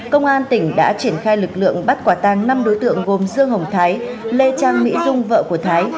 công an tỉnh đã triển khai lực lượng bắt quả tăng năm đối tượng gồm dương hồng thái lê trang mỹ dung vợ của thái